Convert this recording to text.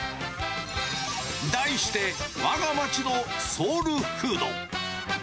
題して、わが町のソウルフード。